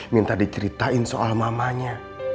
minta diceritain soal mamanya